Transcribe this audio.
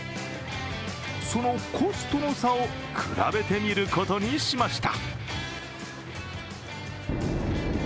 そのコストの差を比べてみることにしました。